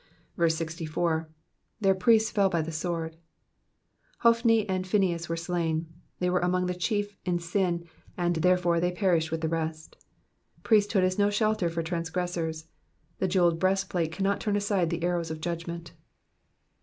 64. '^ Their priests feU hy the sword,''' Hophni and Phineas were slain ; they were among the chief in sin, and, therefore, they perished with the rest. Priest hood is no shelter for transgressors ; the jewelled breastplate cannot turn aside the arrows of judgment.